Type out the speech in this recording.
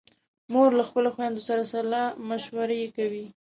خور له خپلو خویندو سره سلا مشورې کوي.